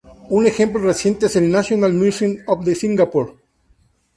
Un ejemplo reciente es el National Museum of Singapore.